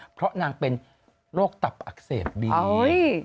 เพราะนางเป็นโรคตับอักเสบดี